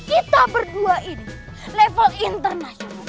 kita berdua ini level internasional